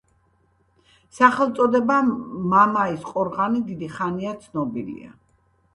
სახელწოდება მამაის ყორღანი დიდი ხანია ცნობილია.